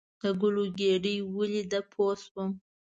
د ګلونو ګېدۍ ولیدې پوه شوم.